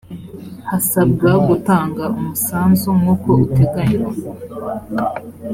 hasabwa gutanga umusanzu nk uko uteganywa